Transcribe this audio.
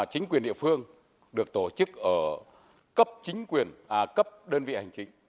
chính quyền địa phương được tổ chức ở cấp đơn vị hành chính